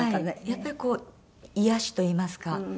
やっぱり癒やしといいますか。